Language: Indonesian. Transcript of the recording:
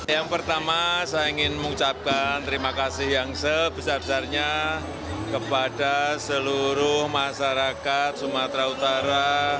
yang pertama saya ingin mengucapkan terima kasih yang sebesar besarnya kepada seluruh masyarakat sumatera utara